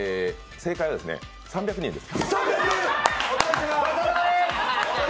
正解は３００人です。